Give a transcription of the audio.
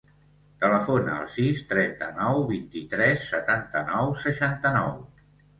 Telefona al sis, trenta-nou, vint-i-tres, setanta-nou, seixanta-nou.